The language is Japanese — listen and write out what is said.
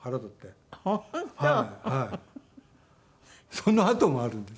そのあともあるんです。